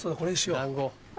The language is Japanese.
団子。